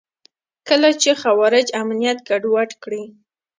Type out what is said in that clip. کله چې خوارج امنیت ګډوډ کړي.